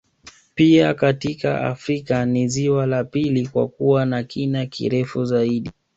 Pia katika Afrika ni ziwa la pili kwa kuwa na kina kirefu zaidi